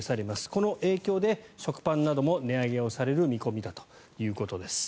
この影響で食パンなども値上げされる見込みだということです。